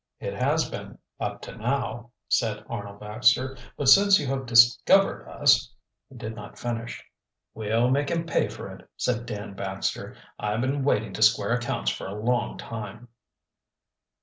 "It has been up to now," said Arnold Baxter. "But since you have discovered us " he did not finish. "We'll make him pay for it," said Dan Baxter. "I've been waiting to square accounts for a long time."